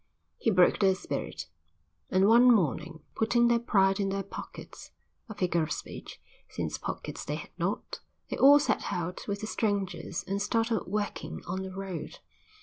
He broke their spirit. And one morning, putting their pride in their pockets, a figure of speech, since pockets they had not, they all set out with the strangers and started working on the road.